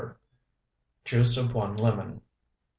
Juice of 1 lemon.